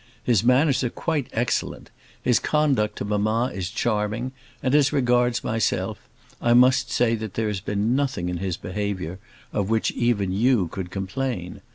His manners are quite excellent, his conduct to mamma is charming, and, as regards myself, I must say that there has been nothing in his behaviour of which even you could complain.